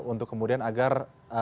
untuk kemudian agar